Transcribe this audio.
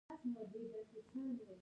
ځنګل ارامه شو او ټول خوشحاله وو.